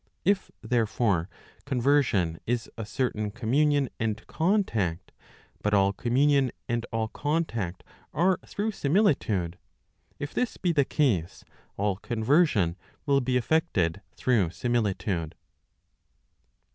If, therefore, conversion is a certain communion and contact, but all communion and all contact are through similitude,—if this be the case, all conversion will be effected through similitude.